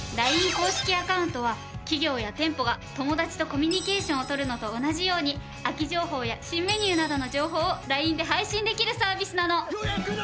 ＬＩＮＥ公式アカウントは企業や店舗が友達とコミュニケーションを取るのと同じように空き情報や新メニューなどの情報をＬＩＮＥで配信できるサービスなの。